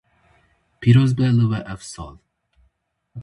Pîroz be li we ev sal.